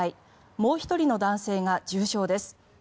もう１人の男性が重傷です。